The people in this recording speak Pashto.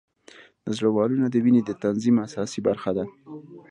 د زړه والونه د وینې د تنظیم اساسي برخه ده.